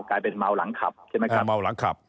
กลายเป็นเมาหลังขับใช่ไหมครับเมาหลังขับ